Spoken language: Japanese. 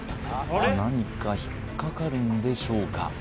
何か引っ掛かるんでしょうか？